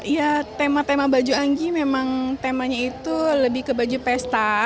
ya tema tema baju anggi memang temanya itu lebih ke baju pesta